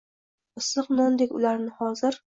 Issiq nondek ularni hozir